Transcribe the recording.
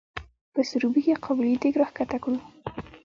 په سروبي کې قابلي دیګ راښکته کړو.